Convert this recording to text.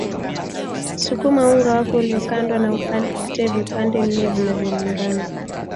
Sukuma unga wako uliokandwa na ukate vipande nne vinavyolingana